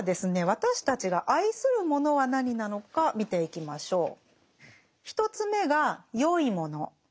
私たちが愛するものは何なのか見ていきましょう。